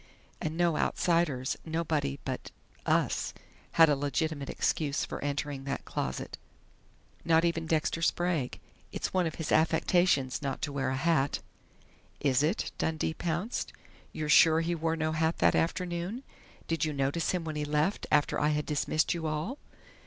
And no outsiders nobody but us had a legitimate excuse for entering that closet.... Not even Dexter Sprague. It's one of his affectations not to wear a hat " "Is it?" Dundee pounced. "You're sure he wore no hat that afternoon? Did you notice him when he left after I had dismissed you all?"